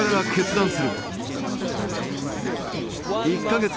１か月。